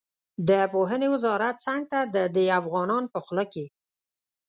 د پوهنې وزارت څنګ ته د ده افغانان په خوله کې.